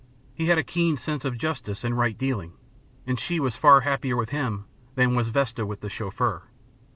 He had a keen sense of justice and right dealing, and she was far happier with him than was Vesta with the Chauffeur.